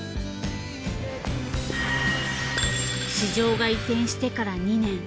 市場が移転してから２年。